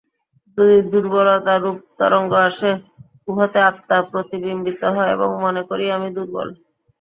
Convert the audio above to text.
যদি দুর্বলতারূপ তরঙ্গ আসে, উহাতে আত্মা প্রতিবিম্বিত হয় এবং মনে করি আমি দুর্বল।